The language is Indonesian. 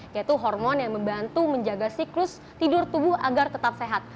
yaitu hormon yang membantu menjaga siklus tidur tubuh agar tetap sehat